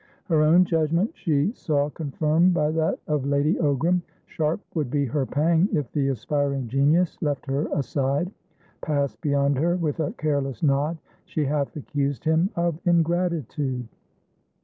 Her own judgment she saw confirmed by that of Lady Ogram. Sharp would be her pang if the aspiring genius left her aside, passed beyond her with a careless nod. She half accused him of ingratitude.